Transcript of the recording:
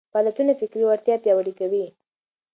فعالیتونه فکري وړتیا پياوړې کوي.